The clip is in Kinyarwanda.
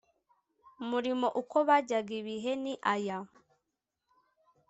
murimo uko bajyaga ibihe ni aya